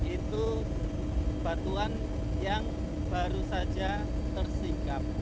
itu batuan yang baru saja tersikap